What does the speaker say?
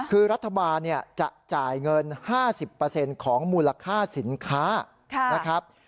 คือรัฐบาลจะจ่ายเงิน๕๐ของมูลค่าสินค้านะครับ